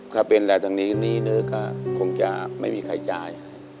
ถ้าเป็นอะไรทางนี้หนี้เนื้อก็คงจะไม่มีใครจ่าย